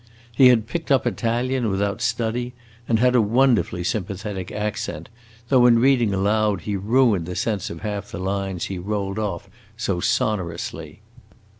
He had picked up Italian without study, and had a wonderfully sympathetic accent, though in reading aloud he ruined the sense of half the lines he rolled off so sonorously.